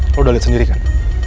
lo udah lihat sendiri kan